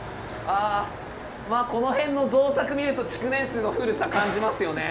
あこの辺の造作見ると築年数の古さ感じますよね。